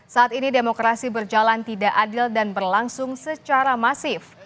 saat ini demokrasi berjalan tidak adil dan berlangsung secara masif